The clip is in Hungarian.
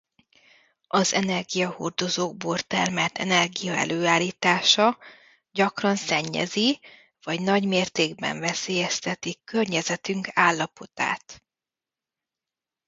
Az energiahordozókból termelt energia előállítása gyakran szennyezi vagy nagy mértékben veszélyezteti környezetünk állapotát.